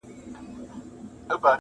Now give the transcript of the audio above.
اره اره سي نجارانو ته ځي؛